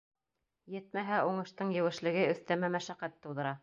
Етмәһә, уңыштың еүешлеге өҫтәмә мәшәҡәт тыуҙыра.